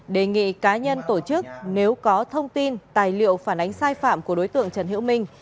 đề nghị cá nhân tổ chức nếu có thông tin tài liệu phản ánh sai phạm của đối tượng trần hữu minh